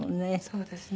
そうですね。